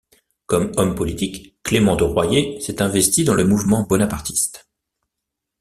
Comme homme politique, Clément de Royer s'est investi dans le mouvement bonapartiste.